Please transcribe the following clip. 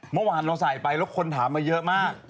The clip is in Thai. เมื่อวานเราใส่ไปแล้วคนถามมาเยอะมาก